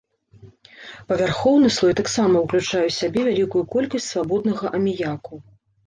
Павярхоўны слой таксама ўключае ў сябе вялікую колькасць свабоднага аміяку.